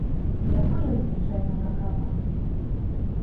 Якой, як звычайна, бракавала.